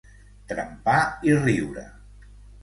Trempar i riure.